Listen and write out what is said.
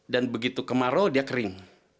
dan begitu kemarau dia kering